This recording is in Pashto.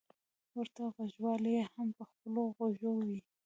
ورته غوږوالۍ يې هم په خپلو غوږو وې.